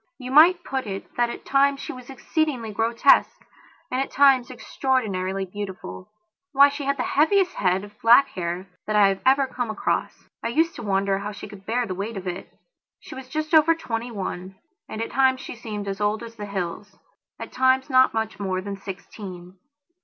You, might put it that at times she was exceedingly grotesque and at times extraordinarily beautiful. Why, she had the heaviest head of black hair that I have ever come across; I used to wonder how she could bear the weight of it. She was just over twenty one and at times she seemed as old as the hills, at times not much more than sixteen.